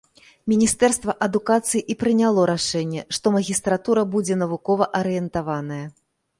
Міністэрства адукацыі і прыняло рашэнне, што магістратура будзе навукова-арыентаваная.